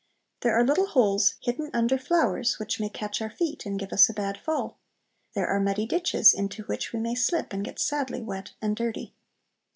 There are little holes hidden under flowers, which may catch our feet and give us a bad fall. There are muddy ditches, into which we may slip and get sadly wet and dirty.